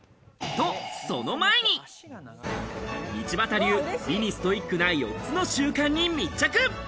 と、その前に、道端流、美にストイックな４つの習慣に密着。